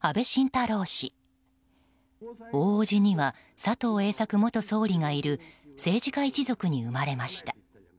大叔父には佐藤栄作元総理がいる政治家一族に生まれました。